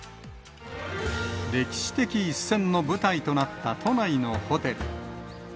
歴史的一戦の舞台となった都内のホテル。